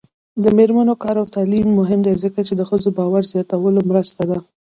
د میرمنو کار او تعلیم مهم دی ځکه چې ښځو باور زیاتولو مرسته ده.